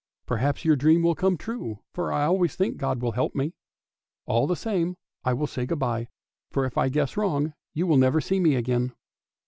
" perhaps your dream will come true, for I always think God will help me! All the same I will say good bye, for if I guess wrong you will never see me again."